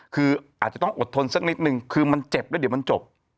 คืออาจจะต้องอดทนสักนิดนึงคือมันเจ็บแล้วเดี๋ยวมันจบ